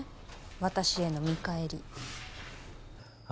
私への見返りあ